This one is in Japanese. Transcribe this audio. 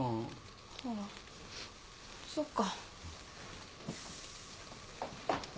ああそっか。